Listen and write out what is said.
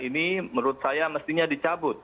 ini menurut saya mestinya dicabut